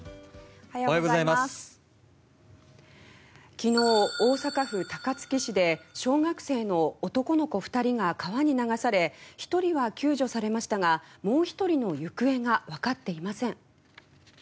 昨日、大阪府高槻市で小学生の男の子２人が川に流され１人は救助されましたがもう１人の行方が分かっていません。